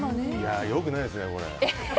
良くないですね、これ。